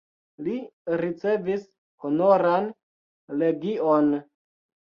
Li ricevis Honoran Legion.